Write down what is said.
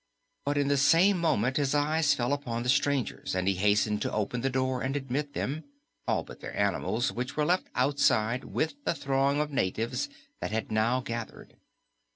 But in the same moment his eyes fell upon the strangers and he hastened to open the door and admit them all but the animals, which were left outside with the throng of natives that had now gathered.